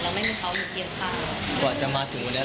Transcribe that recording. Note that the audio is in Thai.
และรบมันจะเหมาะร้าย